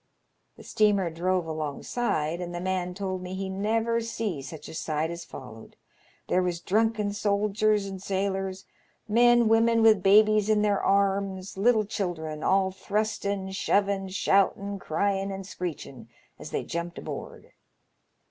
The steamer drove alongside, and the man told me he never see such a sight as followed. There was drunken soldiers and sailors, men, women with babies in their arms, little children, all thrustin', shovin*, shoutin', cryin', and screechin* as they jumped aboard.